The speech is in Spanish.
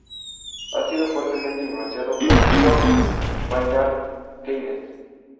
Ha sido fuertemente influenciado por John Maynard Keynes.